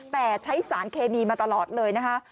แต่ใช้สารเคมีมาตลอดเลยนะคะ